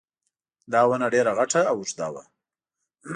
دا ونه ډېره غټه او اوږده وه